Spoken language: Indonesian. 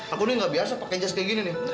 aku ini nggak biasa pakai jas kayak gini nih